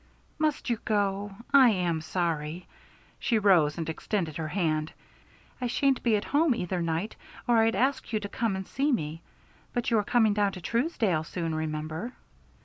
"Must you go? I am sorry." She rose and extended her hand. "I shan't be at home either night or I'd ask you to come and see me. But you are coming down to Truesdale soon, remember."